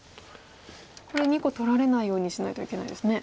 これ２個取られないようにしないといけないですね。